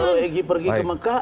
kalau egy pergi ke mekah